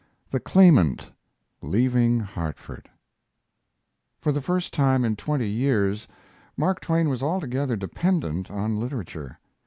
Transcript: "THE CLAIMANT" LEAVING HARTFORD For the first time in twenty years Mark Twain was altogether dependent on literature.